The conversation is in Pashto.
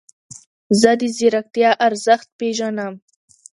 زه د ځیرکتیا ارزښت پیژنم.